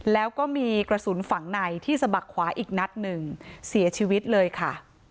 แล้วก็มีกระสุนฝังในที่สะบักขวาอีกนัดหนึ่งเสียชีวิตเลยค่ะ